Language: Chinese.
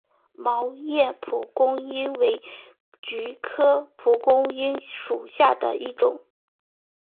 毛叶蒲公英为菊科蒲公英属下的一个种。